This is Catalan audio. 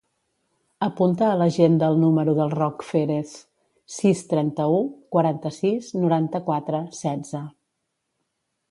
Apunta a l'agenda el número del Roc Ferez: sis, trenta-u, quaranta-sis, noranta-quatre, setze.